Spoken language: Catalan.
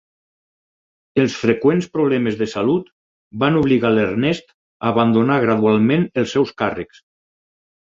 Els freqüents problemes de salut, van obligar l'Ernest a abandonar gradualment els seus càrrecs.